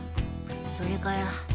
それから。